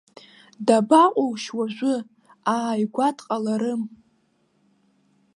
Дабаҟоушь ожәы, ааигәа дҟаларым!